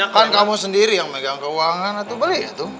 kan kamu sendiri yang megang keuangan itu boleh ya tuh